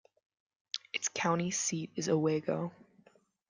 Its county seat is Owego.